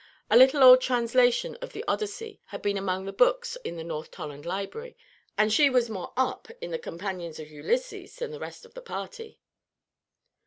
A little old translation of the Odyssey had been among the books in the North Tolland library, and she was more "up" in the "companions of Ulysses" than the rest of the party.